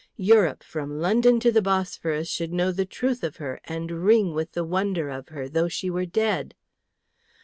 Europe from London to the Bosphorus should know the truth of her and ring with the wonder of her, though she were dead.